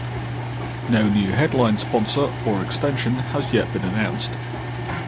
No new headline sponsor or extension has yet been announced.